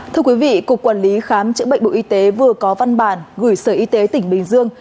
thưa quý vị cục quản lý khám chữa bệnh bộ y tế vừa có văn bản gửi sở y tế tỉnh bình dương